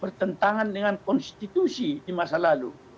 bertentangan dengan konstitusi di masa lalu